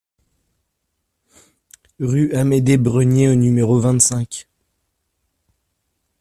Rue Amédée Brenier au numéro vingt-cinq